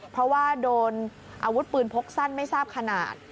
เพราะว่าโดนอาวุธปืนพกสั้นไม่ทราบขนาด